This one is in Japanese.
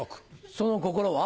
その心は？